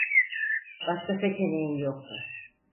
Başka seçeneğin yoktu.